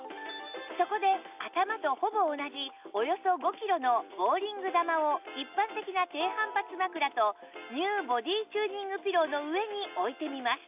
そこで頭とほぼ同じおよそ５キロのボウリング球を一般的な低反発枕と ＮＥＷ ボディチューニングピローの上に置いてみます